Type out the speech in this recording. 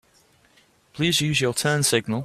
Please use your turn signal.